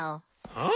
はあ！？